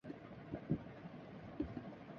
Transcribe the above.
firing کر کے زاہد نامی شخص